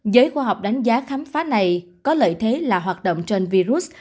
giới khoa học đánh giá khám phá này có lợi thế là hoạt động trên virus